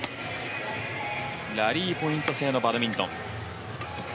ラリーポイント制のバドミントン。